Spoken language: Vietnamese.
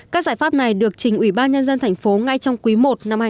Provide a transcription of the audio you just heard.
các giải pháp này được trình ủy ban nhân dân tp hcm ngay trong quý i năm hai nghìn một mươi bảy